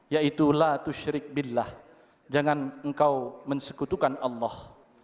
yaitu la tusyrik billah jangan engkau mensekutukan allah